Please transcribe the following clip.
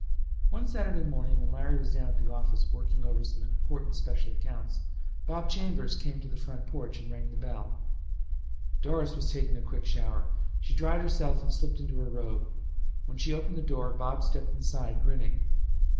One Saturday morning, when Larry was down at the office working over some important special accounts, Bob Chambers came to the front porch and rang the bell. Doris was taking a quick shower. She dried herself and slipped into her robe. When she opened the door Bob stepped inside, grinning.